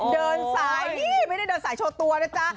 เดินสายนี่ไม่ได้เดินสายโชว์ตัวนะจ๊ะ